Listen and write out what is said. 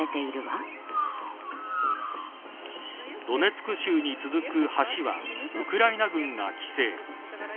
ドネツク州に続く橋はウクライナ軍が規制。